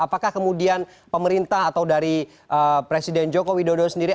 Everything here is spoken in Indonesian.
apakah kemudian pemerintah atau dari presiden joko widodo sendiri